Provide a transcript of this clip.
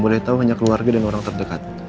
boleh tahu hanya keluarga dan orang terdekat